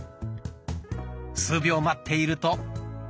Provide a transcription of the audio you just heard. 数秒待っていると。